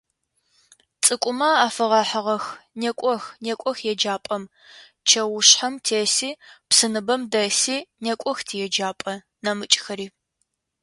Цӏыкӏумэ афэгъэхьыгъэх: «Некӏох, некӏох еджапӏэм…чэушъхьэм теси, псыныбэм дэси… некӏох тиеджапӏэ…», - нэмыкӏхэри.